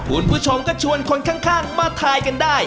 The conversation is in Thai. คุณผู้ชมก็ชวนคนข้างมาทายกันได้